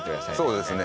そうですね。